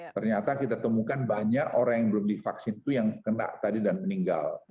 ternyata kita temukan banyak orang yang belum divaksin itu yang kena tadi dan meninggal